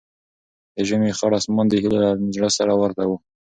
د ژمي خړ اسمان د هیلې له زړه سره ورته و.